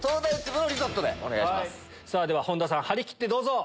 では本田さん張り切ってどうぞ！